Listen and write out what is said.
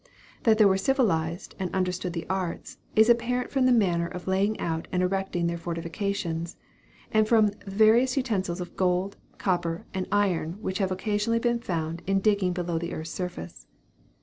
That they were civilized and understood the arts, is apparent from the manner of laying out and erecting their fortifications, and from various utensils of gold, copper, and iron which have occasionally been found in digging below the earth's surface.